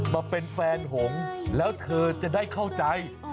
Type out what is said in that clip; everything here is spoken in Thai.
มาเป็นแฟนหงแล้วเธอจะได้เข้าใจ